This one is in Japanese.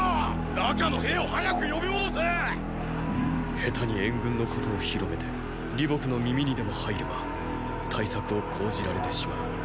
下手に援軍のことを広めて李牧の耳にでも入れば対策を講じられてしまう。